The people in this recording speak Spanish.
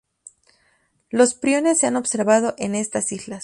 Los priones se han observado en estas islas.